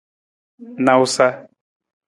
Nawusa.